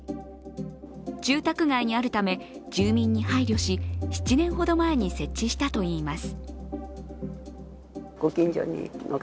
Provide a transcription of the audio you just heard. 住宅街にあるため住民に配慮し７年ほど前に設置したといいます。